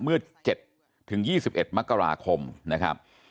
เมื่อ๗๒๑มกราคมนะครับ